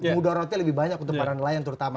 mudah rotnya lebih banyak untuk para nelayan terutama